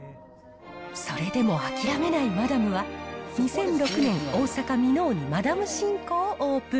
それでも諦めないマダムは、２００６年、大阪・箕面にマダムシンコをオープン。